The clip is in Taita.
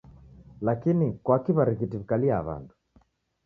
Lakini kwaki w'arighiti w'ikalia w'andu.